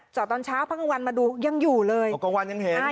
ตอนเช้าพักกลางวันมาดูยังอยู่เลยกลางวันยังเห็น